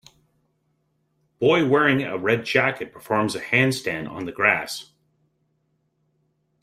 Boy wearing a red jacket performs a handstand on the grass.